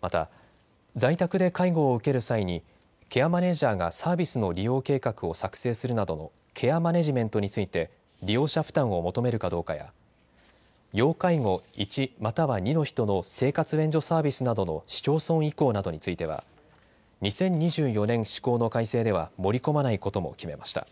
また在宅で介護を受ける際にケアマネージャーがサービスの利用計画を作成するなどのケアマネジメントについて利用者負担を求めるかどうかや要介護１または２の人の生活援助サービスなどの市町村移行などについては２０２４年施行の改正では盛り込まないことも決めました。